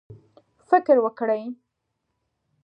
فکر وکړئ